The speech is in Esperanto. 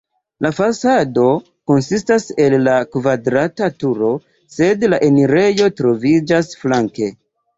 La fasado konsistas el la kvadrata turo, sed la enirejo troviĝas flanke.